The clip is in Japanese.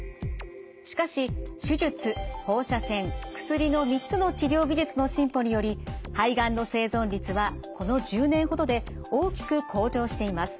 しかし手術放射線薬の３つの治療技術の進歩により肺がんの生存率はこの１０年ほどで大きく向上しています。